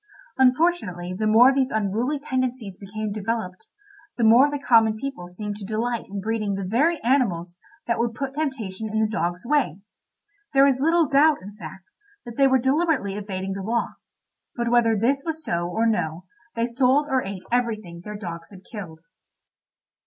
Unfortunately the more these unruly tendencies became developed, the more the common people seemed to delight in breeding the very animals that would put temptation in the dog's way. There is little doubt, in fact, that they were deliberately evading the law; but whether this was so or no they sold or ate everything their dogs had killed.